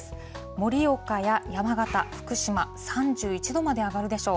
盛岡や山形、福島３１度まで上がるでしょう。